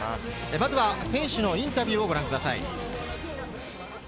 まずは選手のインタビューをご覧ください。